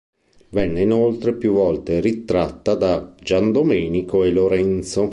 Venne inoltre più volte ritratta da Giandomenico e Lorenzo.